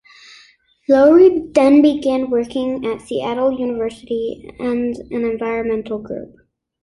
Lowry then began working at Seattle University and an environmental group.